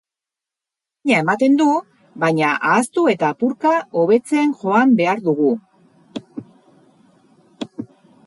Mina ematen du, baina ahaztu eta apurka hobetzen joan behar dugu.